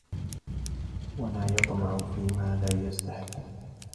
وَلَا يَطْمَعَ فِيمَا لَا يَسْتَحِقُّ